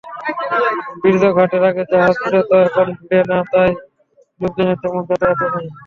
ব্রিজঘাটে আগে জাহাজ ভিড়ত, এখন ভেড়ে না, তাই লোকজনের তেমন যাতায়াতও নেই।